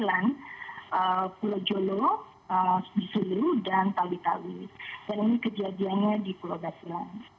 dan ini kejadiannya di pulau basilan